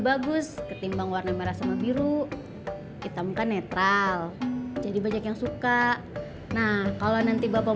bagus ketimbang warna merah sama biru kita bukan netral jadi banyak yang suka nah kalau nanti bapak